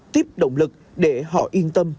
tiếp động lực để họ yên tâm